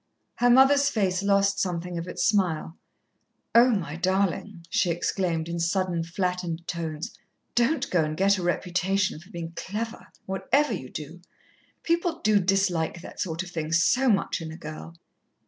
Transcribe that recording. Her mother's face lost something of its smile. "Oh, my darling!" she exclaimed in sudden flattened tones, "don't go and get a reputation for being clever, whatever you do. People do dislike that sort of thing so much in a girl!"